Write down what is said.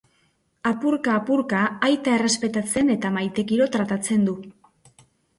Apurka-apurka aita errespetatzen eta maitekiro tratatzen du.